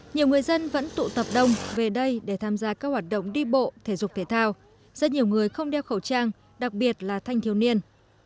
nhiều người dân vẫn tụ tập đông về đây để tham gia các hoạt động đi bộ thể dục thể thao rất nhiều người không đeo khẩu trang đặc biệt là thanh thiếu niên